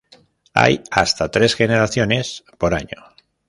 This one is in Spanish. Hay hasta tres generaciones por año.